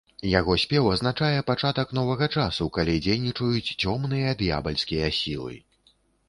Яго спеў азначае пачатак новага часу, калі дзейнічаюць цёмныя д'ябальскія сілы.